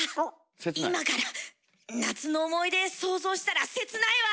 今から夏の思い出想像したら切ないわ。